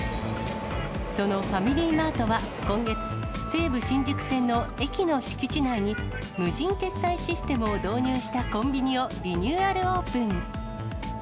そのファミリーマートは今月、西武新宿線の駅の敷地内に、無人決済システムを導入したコンビニをリニューアルオープン。